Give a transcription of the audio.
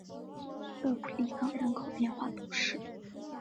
勒普利冈人口变化图示